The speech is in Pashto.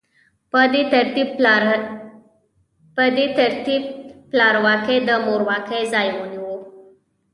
په دې ترتیب پلارواکۍ د مورواکۍ ځای ونیو.